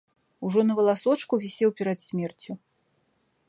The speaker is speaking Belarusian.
Ужо на валасочку вісеў перад смерцю.